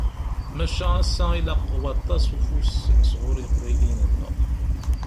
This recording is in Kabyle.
Maca, ass-a ilaq waṭas n ufus sɣur yiqbayliyen-nneɣ.